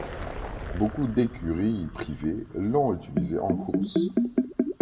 Beaucoup d'écuries privées l'ont utilisée en course.